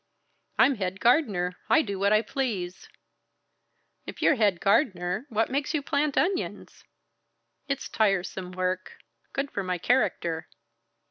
"I'm head gardener. I do what I please." "If you're head gardener, what makes you plant onions?" "It's tiresome work good for my character."